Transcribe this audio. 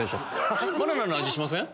バナナの味しません？